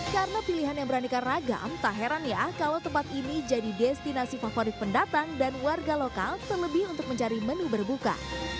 karena pilihan yang beranikan ragam tak heran ya kalau tempat ini jadi destinasi favorit pendatang dan warga lokal terlebih untuk mencari menu berbuka